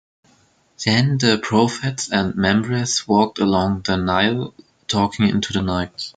Then the prophets and Mambres walked along the Nile talking into the night.